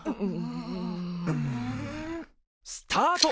スタート！